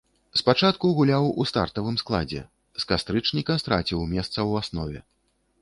Спачатку гуляў у стартавым складзе, з кастрычніка страціў месца ў аснове.